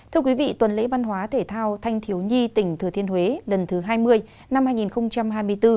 thưa quý vị tuần lễ văn hóa thể thao thanh thiếu nhi tỉnh thừa thiên huế lần thứ hai mươi năm hai nghìn hai mươi bốn